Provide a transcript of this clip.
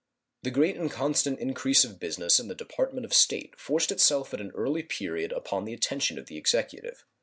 The great and constant increase of business in the Department of State forced itself at an early period upon the attention of the Executive.